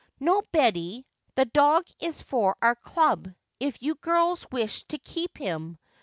"No, Betty, the dog is for our club if you girls wish to keep him.